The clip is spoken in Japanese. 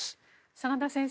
真田先生